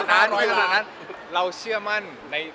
ไปขนาดนั้นไปขนาดนั้น